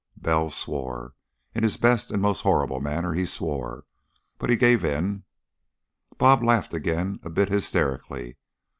Bell swore. In his best and most horrible manner, he swore, but he gave in." "Bob" laughed again, a bit hysterically.